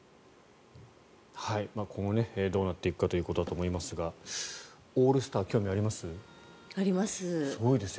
今後、どうなっていくかということだと思いますがオールスター興味あります？